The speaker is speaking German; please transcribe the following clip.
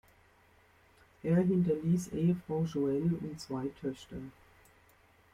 Er hinterließ Ehefrau Joelle und zwei Töchter.